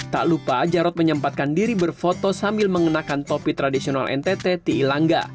tak lupa jarod menyempatkan diri berfoto sambil mengenakan topi tradisional mtt ti ilanga